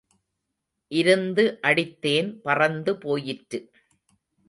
இருந்து அடித்தேன் பறந்து போயிற்று.